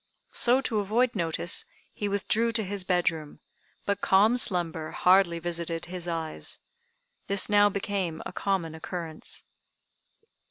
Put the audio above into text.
So, to avoid notice, he withdrew to his bedroom, but calm slumber hardly visited his eyes. This now became a common occurrence.